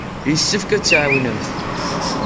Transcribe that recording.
Yessefk ad tt-tɛawnemt.